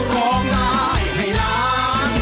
ร้องได้ให้ล้าน